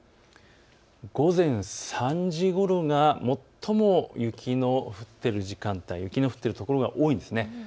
午前３時ごろが最も雪の降っている時間帯、雪の降っている所が多いんです。